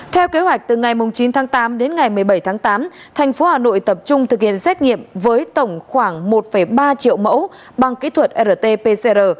theo kế hoạch từ ngày chín tháng tám đến ngày một mươi bảy tháng tám thành phố hà nội tập trung thực hiện xét nghiệm với tổng khoảng một ba triệu mẫu bằng kỹ thuật rt pcr